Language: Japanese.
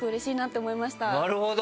なるほど！